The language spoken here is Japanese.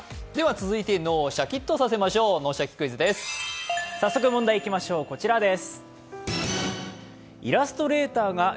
続いて、脳をシャキッとさせましょう、「脳シャキ！クイズ」です。